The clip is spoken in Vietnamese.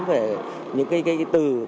về những cái từ của cái luật tuyển số